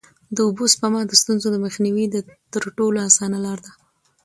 د اوبو سپما د ستونزو د مخنیوي تر ټولو اسانه لاره ده.